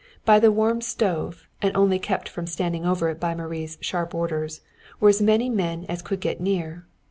By the warm stove, and only kept from standing over it by Marie's sharp orders, were as many men as could get near.